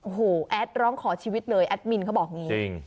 โอ้โหแอดร้องคอชีวิตเลยแอดมินเขาบอกงี้